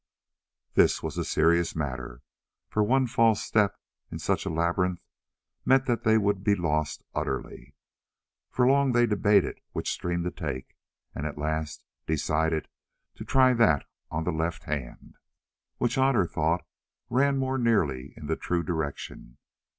This was a serious matter, for one false step in such a labyrinth meant that they would be lost utterly. For long they debated which stream to take, and at last decided to try that on the left hand, which Otter thought ran more nearly in the true direction.